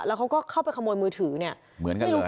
แล้วเขาก็เข้าไปขโมยมือถือเนี่ยเหมือนกันเลย